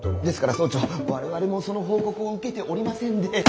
ですから総長我々もその報告を受けておりませんで。